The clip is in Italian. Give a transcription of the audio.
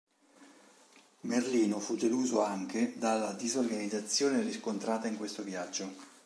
Merlino fu deluso anche dalla disorganizzazione riscontrata in questo viaggio.